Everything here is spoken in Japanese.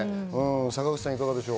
坂口さん、いかがでしょう？